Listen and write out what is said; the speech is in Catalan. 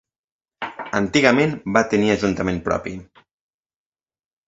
Antigament va tenir ajuntament propi.